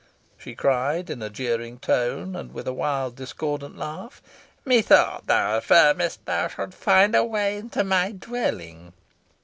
she cried in a jeering tone, and with a wild discordant laugh. "Methought thou affirmedst thou couldst find a way into my dwelling."